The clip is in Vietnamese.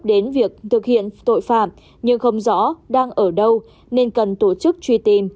đến việc thực hiện tội phạm nhưng không rõ đang ở đâu nên cần tổ chức truy tìm